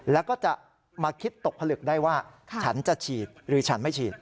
แล้วก็จะมาคิดตกผลึกได้ว่าฉันจะฉีดหรือฉันไม่ฉีด